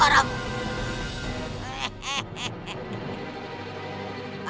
aku benci suaramu